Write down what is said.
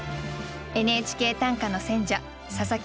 「ＮＨＫ短歌」の選者佐佐木